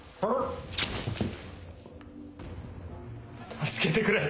助けてくれ！